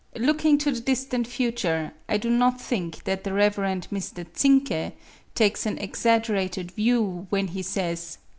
Looking to the distant future, I do not think that the Rev. Mr. Zincke takes an exaggerated view when he says (30.